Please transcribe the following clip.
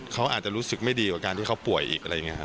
เขาอาจจะรู้สึกไม่ดีกว่าการที่เขาป่วยอีกอะไรอย่างนี้ครับ